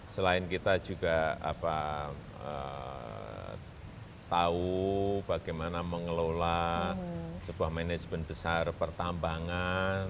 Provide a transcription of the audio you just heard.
selain kita juga tahu bagaimana mengelola sebuah manajemen besar pertambangan